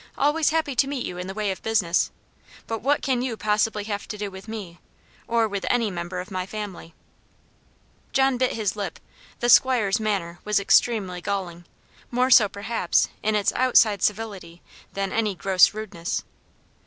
Always happy to meet you in the way of business. But what can you possibly have to do with me, or with any member of my family?" John bit his lip; the 'squire's manner was extremely galling; more so, perhaps, in its outside civility than any gross rudeness.